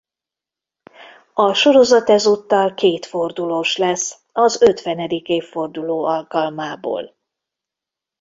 A sorozat ezúttal kétfordulós lesz az ötvenedik évforduló alkalmából.